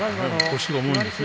腰が重いですね。